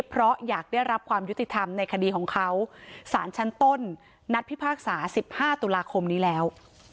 เพราะอยากได้รับความยุติธรรมในคดีของเขาสารชั้นต้นนัดพิพากษา๑๕ตุลาคมนี้แล้ว